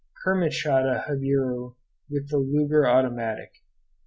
Kermit shot a jabiru with the Luger automatic.